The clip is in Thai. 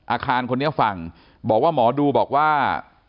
อาคารคนนี้ฟังบอกว่าหมอดูบอกว่า